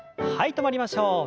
止まりましょう。